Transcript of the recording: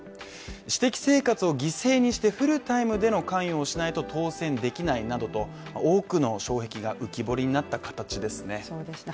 私的生活を犠牲にしてフルタイムでの関与をしないと当選できないなどと多くの障壁が浮き彫りになった形ですね